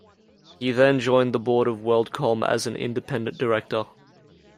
He then joined the board of WorldCom as an independent director.